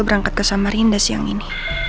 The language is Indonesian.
berangkat ke samarinda siang ini